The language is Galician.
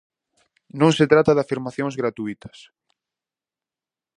Non se trata de afirmacións gratuítas.